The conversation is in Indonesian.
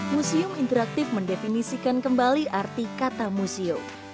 museum interaktif mendefinisikan kembali arti kata museum